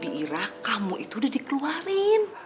diirah kamu itu udah dikeluarin